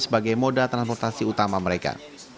sebagai moda transportasi utama mereka